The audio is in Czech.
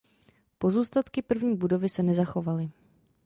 Pozůstatky první budovy se nezachovaly.